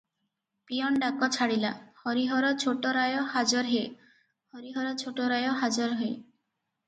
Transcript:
Peon ଡାକ ଛାଡ଼ିଲା, "ହରିହର ଛୋଟରାୟ ହାଜର ହେ- ହରିହର ଛୋଟରାୟ ହାଜର ହେ!"